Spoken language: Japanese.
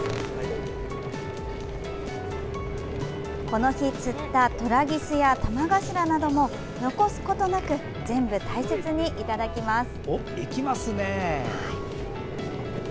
この日釣ったトラギスやタマガシラなども残すことなく全部、大切にいただきます。